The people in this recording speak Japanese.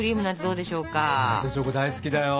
ホワイトチョコ大好きだよ！